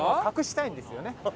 隠したいんですよね。